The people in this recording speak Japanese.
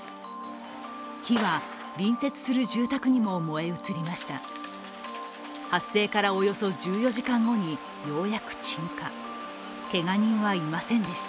火は隣接する住宅にも燃え移りました。